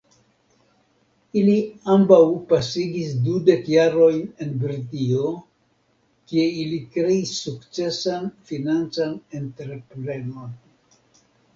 Ili ambaŭ pasigis dudek jarojn en Britio, kie ili kreis sukcesan financan entreprenon.